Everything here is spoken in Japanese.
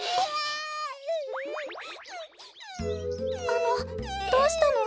あのどうしたの？